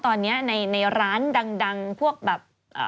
ตอนนี้ในร้านดังพวกแบบ